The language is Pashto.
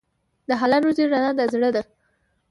د حلال روزي رڼا د زړه ده.